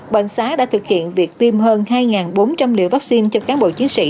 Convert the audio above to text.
bệnh xá đã thực hiện việc tiêm hơn hai bốn trăm linh liều vaccine cho cán bộ chiến sĩ